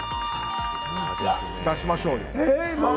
出しましょうよ。